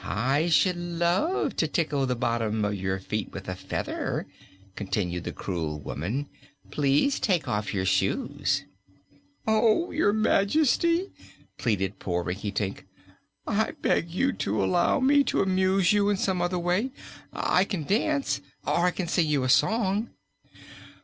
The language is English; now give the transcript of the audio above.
"I should love to tickle the bottom of your feet with a feather," continued the cruel woman. "Please take off your shoes." "Oh, your Majesty!" pleaded poor Rinkitink, "I beg you to allow me to amuse you in some other way. I can dance, or I can sing you a song."